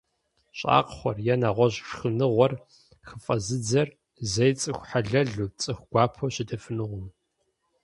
ЩӀакхъуэр е нэгъуэщӀ шхыныгъуэр хыфӀэзыдзэр зэи цӀыху хьэлэлу, цӀыху гуапэу щытыфынукъым.